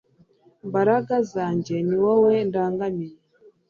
mbaraga zanjye, ni wowe ndangamiye